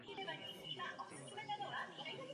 前峰路